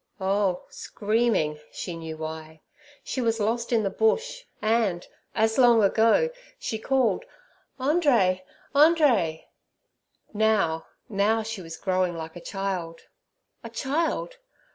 Oh—screaming—she knew why. She was lost in the Bush, and, as long ago, she called, 'Andree, Andree!' Now, now, she was growing like a child. A child!